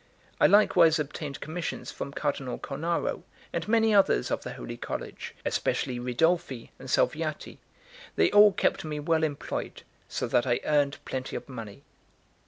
I likewise obtained commissions from Cardinal Cornaro, and many others of the Holy College, especially Ridolfi and Salviati; they all kept me well employed, so that I earned plenty of money.